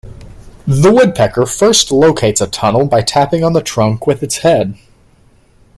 The woodpecker first locates a tunnel by tapping on the trunk with its head.